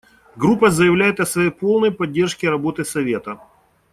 Группа заявляет о своей полной поддержке работы Совета.